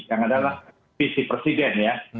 yang adalah visi presiden ya